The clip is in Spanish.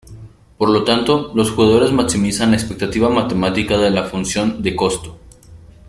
Por lo tanto, los jugadores maximizan la expectativa matemática de la función de costo.